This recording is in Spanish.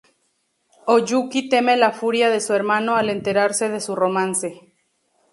Oyuki teme la furia de su hermano al enterarse de su romance.